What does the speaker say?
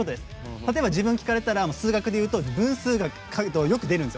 例えば、自分聞かれたら数学でいうと分数がよく出るんです。